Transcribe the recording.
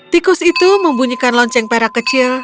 tikus itu membunyikan lonceng perang